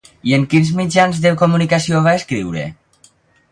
I en quins mitjans de comunicació va escriure?